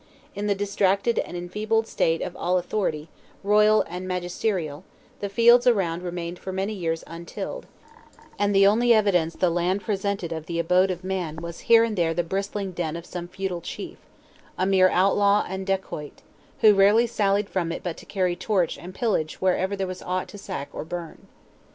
In the distracted and enfeebled state of all authority, royal and magisterial, the fields around remained for many years untilled; and the only evidence the land presented of the abode of man was here and there the bristling den of some feudal chief, a mere outlaw and dacoit, who rarely sallied from it but to carry torch and pillage wherever there was aught to sack or burn.